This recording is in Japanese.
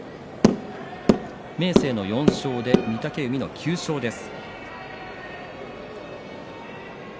明生の４勝で御嶽海の９勝です。